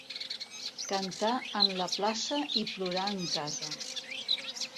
Cantar en la plaça i plorar en casa.